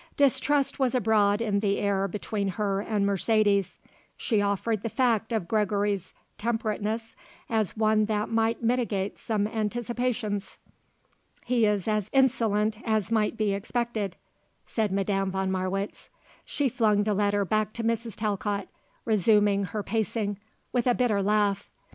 Distrust was abroad in the air between her and Mercedes; she offered the fact of Gregory's temperateness as one that might mitigate some anticipations. "He is as insolent as might be expected," said Madame von Marwitz. She flung the letter back to Mrs. Talcott, resuming her pacing, with a bitter laugh.